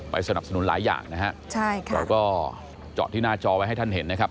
สนับสนุนหลายอย่างนะฮะใช่ค่ะเราก็เจาะที่หน้าจอไว้ให้ท่านเห็นนะครับ